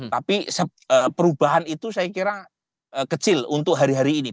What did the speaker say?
tapi perubahan itu saya kira kecil untuk hari hari ini